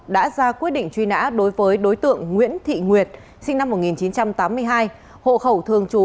đã ra quyết định truy nã đối với đối tượng nguyễn thị nguyệt sinh năm một nghìn chín trăm tám mươi hai hộ khẩu thường trú